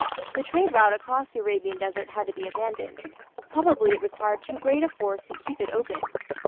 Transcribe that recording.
The trade route across the Arabian desert had to be abandoned. Probably it required too great a force to keep it open.